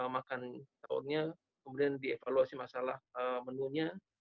makan sahurnya kemudian dievaluasi masalah menunya